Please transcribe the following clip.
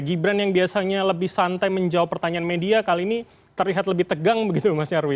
gibran yang biasanya lebih santai menjawab pertanyaan media kali ini terlihat lebih tegang begitu mas nyarwi